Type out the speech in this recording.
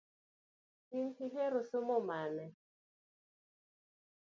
In ihero somo mane?